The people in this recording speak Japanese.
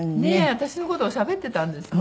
私の事をしゃべってたんですね。